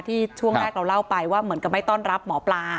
ช่วงแรกเราเล่าไปว่าเหมือนกับไม่ต้อนรับหมอปลา